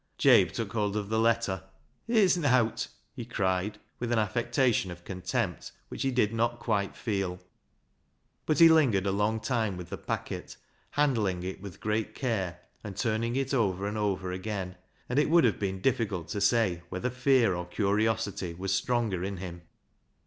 Jabe took hold of the letter. " It's nowt," he cried, with an affectation of contempt which he did not quite feel ; but he lingered a long time with the packet, handling it with great care and turning it over and over again, and it would have been difficult to say whether fear or curiosity was stronger in him.